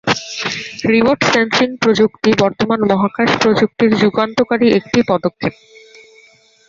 Remote sensing প্রযুক্তি বর্তমান মহাকাশ প্রযুক্তির যুগান্তকারী একটি পদক্ষেপ।